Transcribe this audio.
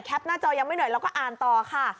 หน้าจอยังไม่เหนื่อยเราก็อ่านต่อค่ะ